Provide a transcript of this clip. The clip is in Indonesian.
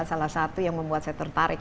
salah satu yang membuat saya tertarik